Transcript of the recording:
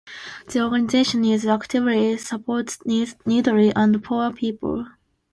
The organization is actively supports needy and poor people.